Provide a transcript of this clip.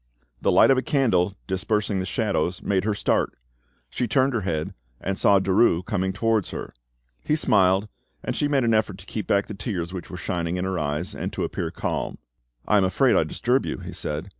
The light of a candle, dispersing the shadows, made her start; she turned her head, and saw Derues coming towards her. He smiled, and she made an effort to keep back the tears which were shining in her eyes, and to appear calm. "I am afraid I disturb you," he said.